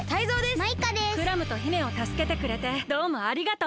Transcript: クラムと姫をたすけてくれてどうもありがとう！